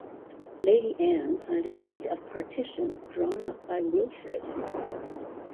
Lady Anne signed a Deed of Partition drawn up by Wilfrid.